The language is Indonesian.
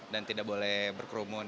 dan tidak boleh berkerumun